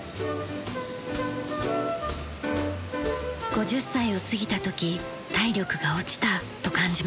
５０歳を過ぎた時体力が落ちたと感じました。